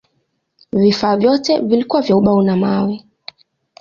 Vifaa vyote vilikuwa vya ubao na mawe.